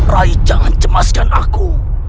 rai jangan cemaskan aku